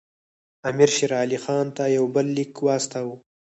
امیر شېر علي خان ته یو بل لیک واستاوه.